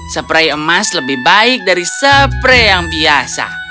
seprei emas lebih baik dari seprei yang biasa